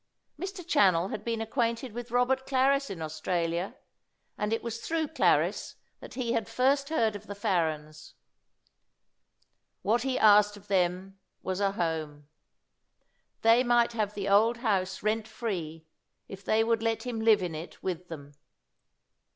Mr. Channell had been acquainted with Robert Clarris in Australia, and it was through Clarris that he had first heard of the Farrens. What he asked of them was a home. They might have the old house rent free, if they would let him live in it with them.